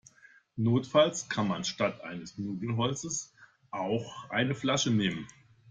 Notfalls kann man statt eines Nudelholzes auch eine Flasche nehmen.